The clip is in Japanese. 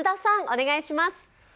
お願いします。